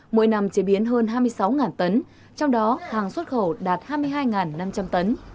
mỗi năm chế biến hơn hai mươi sáu tấn trong đó hàng xuất khẩu đạt hai mươi hai năm trăm linh tấn